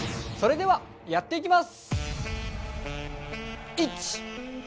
それではやっていきます！